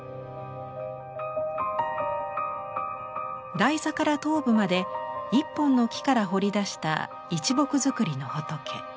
台座から頭部まで一本の木から彫り出した一木造りの仏。